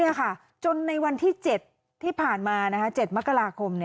นี่ค่ะจนในวันที่๗ที่ผ่านมา๗มกราคม